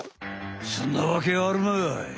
そんなわけあるまい。